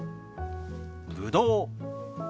ぶどう。